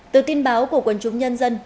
từ tin báo của quân chúng nhân dân